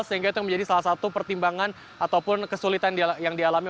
sehingga itu yang menjadi salah satu pertimbangan ataupun kesulitan yang dialami